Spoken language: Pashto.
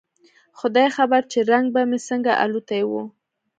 خداى خبر چې رنگ به مې څنګه الوتى و.